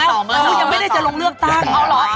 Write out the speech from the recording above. คือยังไม่ได้จะลงเลือกตั้ง